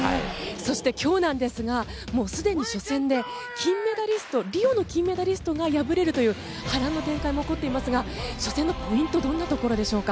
そして今日なんですがすでに初戦でリオの金メダリストが敗れるという波乱の展開も起こっていますが初戦のポイントどんなところでしょうか？